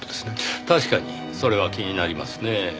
確かにそれは気になりますねぇ。